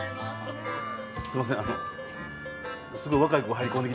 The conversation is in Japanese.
すいませんあの。